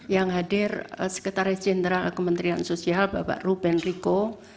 yang hadir sekretaris jenderal kementerian sosial bapak ruben riko